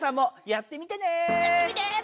やってみてね。